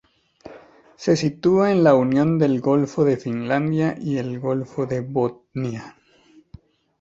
Se sitúa en la unión del golfo de Finlandia y el golfo de Botnia.